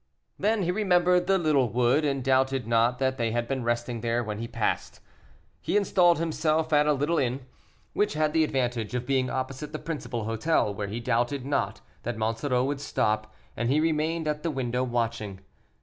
Then he remembered the little wood, and doubted not that they had been resting there when he passed. He installed himself at a little inn, which had the advantage of being opposite the principal hotel, where he doubted not that Monsoreau would stop; and he remained at the window watching.